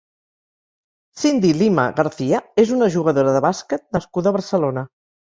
Cindy Lima García és una jugadora de bàsquet nascuda a Barcelona.